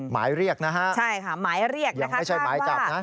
หมายเรียกนะฮะยังไม่ใช่หมายจับนะฮะใช่ค่ะหมายเรียกนะฮะ